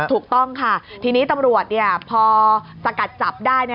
ถูกต้องค่ะทีนี้ตำรวจพอสกัดจับได้